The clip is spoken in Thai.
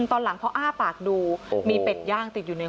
ตอนหลังเพราะอ้าปากดูโอ้โหมีเป็ดย่างติดอยู่ในคอ